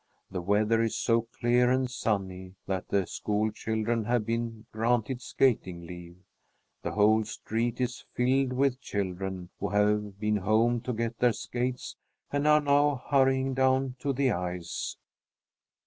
The weather is so clear and sunny that the school children have been granted skating leave. The whole street is filled with children, who have been home to get their skates and are now hurrying down to the ice.